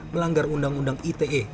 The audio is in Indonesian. melanggar undang undang ite